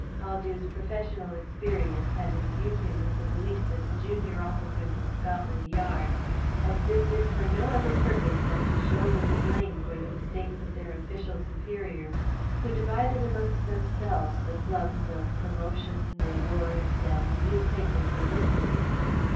Caldew's professional experience had imbued him with the belief that the junior officers of Scotland Yard existed for no other purpose than to shoulder the blame for the mistakes of their official superiors, who divided amongst themselves the plums of promotion, rewards, and newspaper publicity.